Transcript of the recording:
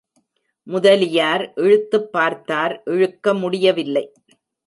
முதலியார் இழுத்துப் பார்த்தார் இழுக்க முடியவில்லை.